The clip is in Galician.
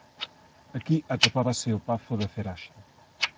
Aquí atopábase o pazo de Ceraxe.